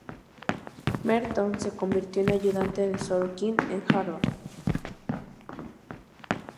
Merton se convirtió en ayudante de Sorokin en Harvard.